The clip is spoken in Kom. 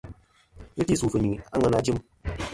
Ghɨ ti sù fɨ̀ nyuy a ŋweyn a jɨm.